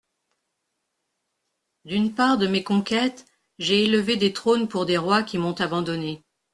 D'une part de mes conquêtes, j'ai élevé des trônes pour des rois qui m'ont abandonné.